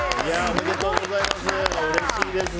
おめでとうございます。